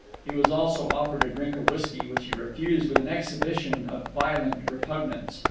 He was also offered a drink of whisky, which he refused with an exhibition of violent repugnance.